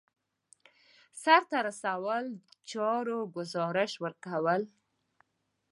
د سرته رسیدلو چارو ګزارش ورکول.